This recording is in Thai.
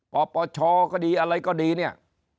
ปปชก็ดีอะไรก็ดีเนี่ย